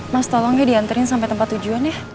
mas tolong ya dianterin sampe tempat tujuan ya